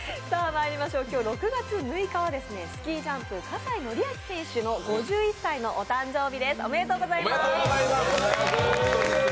今日、６月６日はスキージャンプ、葛西紀明選手の５１歳のお誕生日ですおめでとうございます。